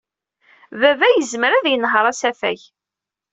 Baba yezmer ad yenheṛ asafag.